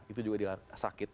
itu juga dia sakit